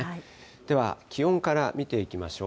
では気温から見ていきましょう。